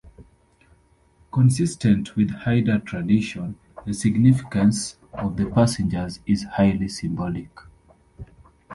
Consistent with Haida tradition, the significance of the passengers is highly symbolic.